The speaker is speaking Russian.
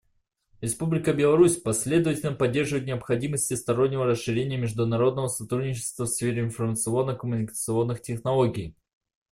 Республика Беларусь последовательно поддерживает необходимость всестороннего расширения международного сотрудничества в сфере информационно-коммуникационных технологий.